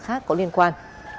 khác có liên quan